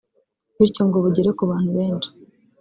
bityo ngo bugere ku bantu benshi